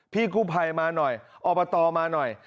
พี่กู้ภัยมาหน่อยอบตมาหน่อย